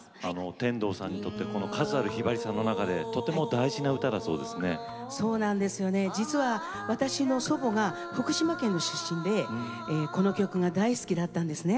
天童さんにとって数あるひばりさんの曲の中で実は私の祖母が福島県の出身でこの曲が大好きだったんですね。